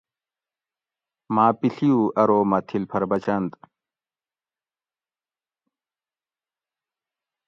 ما پیڷیو ارو مہ تھِل پھر بچنت